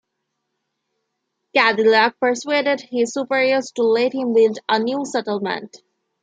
Cadillac persuaded his superiors to let him build a new settlement.